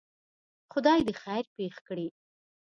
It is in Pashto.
خدای دی خیر پېښ کړي.